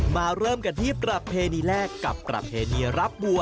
เริ่มกันที่ประเพณีแรกกับประเพณีรับบัว